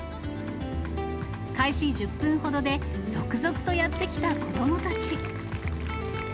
開始１０分ほどで、続々とやって来た子どもたち。